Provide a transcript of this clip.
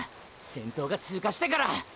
先頭が通過してから！！